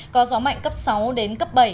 có gió mạnh cấp sáu đến cấp bảy